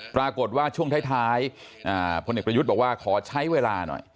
ปรากฏว่าช่วงท้ายพลเอกประยุทธ์บอกว่าขอใช้เวลาหน่อย